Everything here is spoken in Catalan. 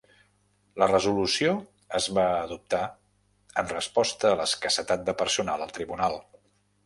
La resolució es va adoptar en resposta a l'escassetat de personal al tribunal.